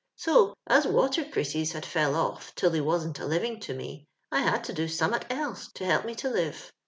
So as water creases had fell off till they wasn't a living to me, I had to do summat else to help me to live.